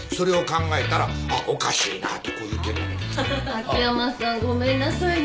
秋山さんごめんなさいね。